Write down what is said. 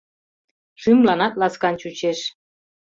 Шӱмланат ласкан чучеш.